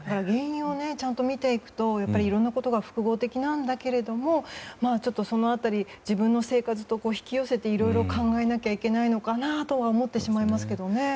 原因を見ていくといろんなことが複合的なんだけどその辺り自分の生活に引き寄せていろいろ考えなきゃいけないのかなと思ってしまいますけどね。